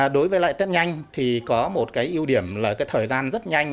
đối với lại test nhanh thì có một cái ưu điểm là cái thời gian rất nhanh